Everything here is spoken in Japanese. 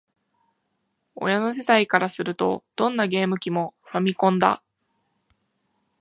親の世代からすると、どんなゲーム機も「ファミコン」だ